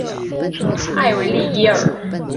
埃维利耶尔。